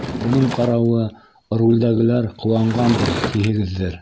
Уның ҡарауы, рулдәгеләр ҡыуанғандыр, тиһегеҙҙер.